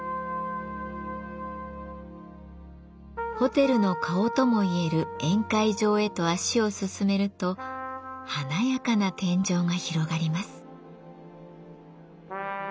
ホテルの顔ともいえる宴会場へと足を進めると華やかな天井が広がります。